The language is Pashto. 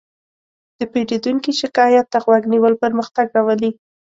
د پیرودونکي شکایت ته غوږ نیول پرمختګ راولي.